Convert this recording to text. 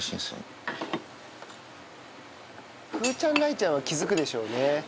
風ちゃん雷ちゃんは気付くでしょうね。